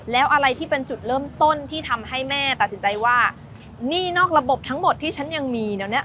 แล้วอะไรที่เป็นจุดเริ่มต้นที่ทำให้แม่ตัดสินใจว่าหนี้นอกระบบทั้งหมดที่ฉันยังมีเดี๋ยวเนี้ย